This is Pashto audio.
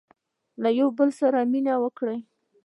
• له یوه بل سره مینه وکړئ.